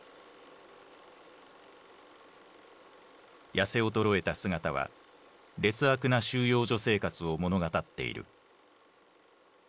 痩せ衰えた姿は劣悪な収容所生活を物語っている。